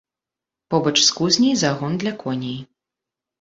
Побач з кузняй загон для коней.